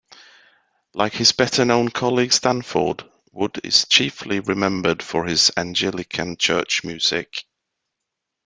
Like his better-known colleague Stanford, Wood is chiefly remembered for his Anglican church music.